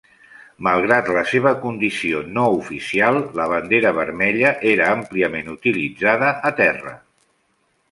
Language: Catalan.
Malgrat la seva condició no oficial, la bandera vermella era àmpliament utilitzada a terra.